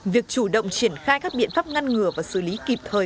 việc chủ động triển khai các biện pháp ngăn ngừa và xử lý kịp thời